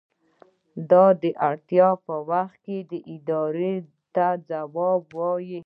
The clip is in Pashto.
دا د اړتیا په وخت ادارې ته ځواب وايي.